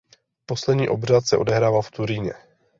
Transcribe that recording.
Poslední obřad se odehrál v Turíně.